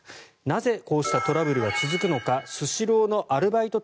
なぜこうしたトラブルが続くのかスシローのアルバイト